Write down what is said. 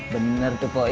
bener tuh poh